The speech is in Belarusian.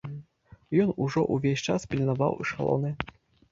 Ён ужо ўвесь час пільнаваў эшалоны.